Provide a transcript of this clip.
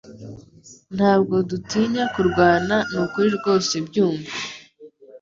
Ntabwo dutinya kurwana nukuri rwose byumve